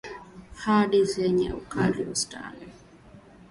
hadi zenye ukali wastani kujiondoa kwa ghaflaOpioidi za sandarusi